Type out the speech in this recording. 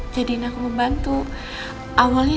jadiin aku pembantu awalnya